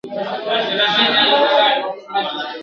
خدایه بیرته هغه تللی بیرغ غواړم ..